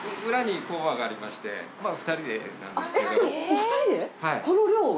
お２人でこの量を？